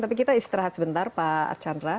tapi kita istirahat sebentar pak archandra